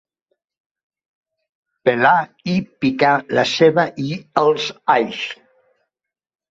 Pelar i picar la ceba i els alls.